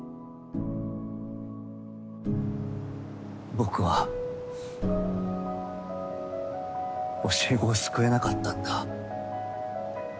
僕は教え子を救えなかったんだ。